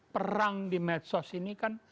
perang di medsos ini kan